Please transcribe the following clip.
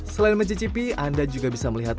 selain mencicipi anda juga bisa melihat